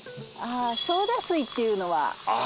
ソーダ水っていうのはあります。